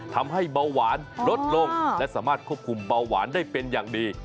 ทำให้เบาหวานลดลงและสามารถควบคุมเบาหวานได้เป็นอย่างดี